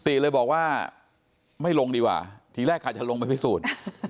ตีเลยบอกว่าไม่ลงดีหว่าทีแรกขาจะลงไปสูตร